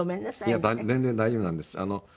いや全然大丈夫なんです。